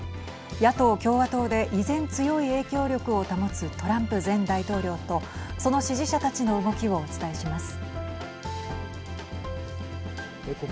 野党・共和党で依然、強い影響力を保つトランプ前大統領とその支持者たちの動きをお伝えします。